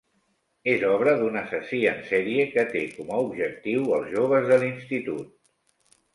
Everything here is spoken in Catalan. És obra d'un assassí en sèrie que té com a objectiu els joves de l'institut.